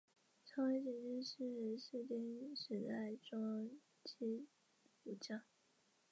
翁牛特左旗扎萨克多罗杜棱郡王为清朝内扎萨克蒙古翁牛特左旗的世袭扎萨克多罗郡王。